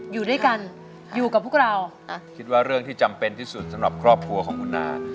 อยู่ด้วยกันอยู่กับพวกเราอ่ะคิดว่าเรื่องที่จำเป็นที่สุดสำหรับครอบครัวของคุณนา